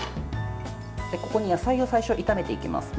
ここに野菜を最初、炒めていきます。